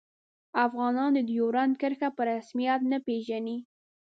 افغانان د ډیورنډ کرښه په رسمیت نه پيژني